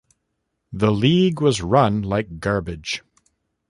The league was run like garbage.